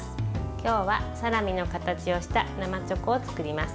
今日はサラミの形をした生チョコを作ります。